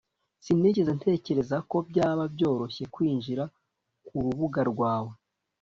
sinigeze ntekereza ko byaba byoroshye kwinjira kurubuga rwawe